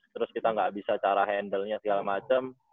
terus kita gak bisa cara handle nya segala macem